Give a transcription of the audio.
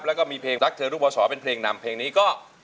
แล้วก็มีเพลงรักเธอลูกพอสอเป็นเพลงนำเพลงนี้ก็